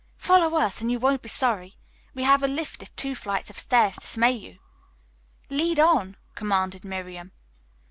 "Follow us and you won't be sorry. We have a lift if two flights of stairs dismay you." "Lead on," commanded Miriam.